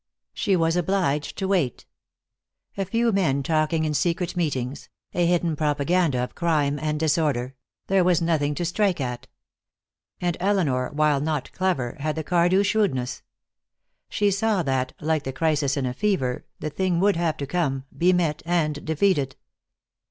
She was obliged to wait. A few men talking in secret meetings, a hidden propaganda of crime and disorder there was nothing to strike at. And Elinor, while not clever, had the Cardew shrewdness. She saw that, like the crisis in a fever, the thing would have to come, be met, and defeated.